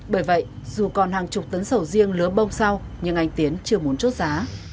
bởi vậy dù còn hàng chục tấn sầu riêng lứa bông sau nhưng anh tiến chưa muốn chốt giá